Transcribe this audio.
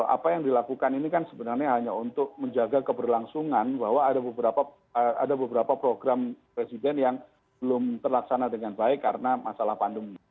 apa yang dilakukan ini kan sebenarnya hanya untuk menjaga keberlangsungan bahwa ada beberapa program presiden yang belum terlaksana dengan baik karena masalah pandemi